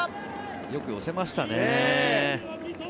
よく寄せましたね。